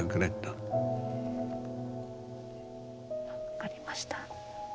分かりました。